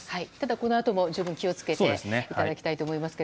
このあとも十分気を付けていただきたいと思いますが。